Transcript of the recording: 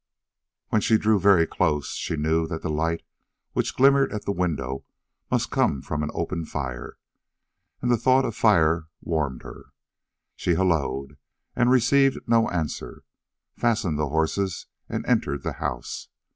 When she drew very close she knew that the light which glimmered at the window must come from an open fire, and the thought of a fire warmed her. She hallooed, and receiving no answer, fastened the horses and entered the house.